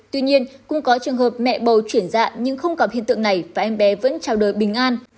tuy nhiên cũng có trường hợp mẹ bầu chuyển dạng nhưng không gặp hiện tượng này và em bé vẫn chào đời bình an